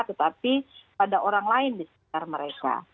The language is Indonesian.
tetapi pada orang lain di sekitar mereka